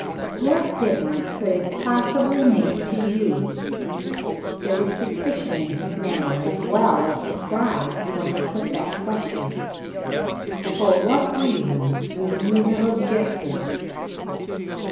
"What difference could it possibly make to you?" There was suspicion in his manner, as well as surprise, when he put that question. "For what reason would you have objected?"